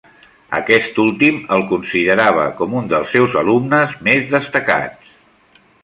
Aquest últim el considerava com un dels seus alumnes més destacats.